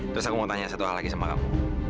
terus aku mau tanya satu hal lagi sama kamu